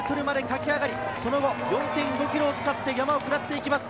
最高点８７４ｍまで駆け上がり、その後、４．５ｋｍを使って山を下っていきます。